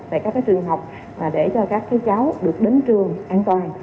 tại các trường học để cho các cháu được đến trường an toàn